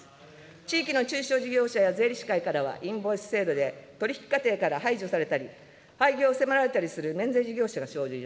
地域の中小事業者や税理士会からはインボイス制度で取り引き過程から排除されたり、廃業を迫られたりする免税事業者が生じる。